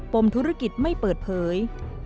มธุรกิจไม่เปิดเผย